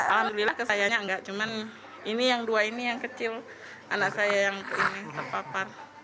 alhamdulillah kesayanya enggak cuman ini yang dua ini yang kecil anak saya yang ini sepapar